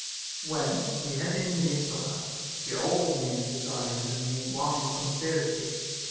When we had him in the midst of us, we all began to desire him to make one in the conspiracy.